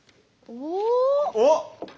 おっ！